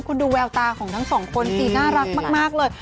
คุณดูแววตาของทั้งสองคนสิน่ารักมากเลย